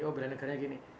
oh belia negaranya gini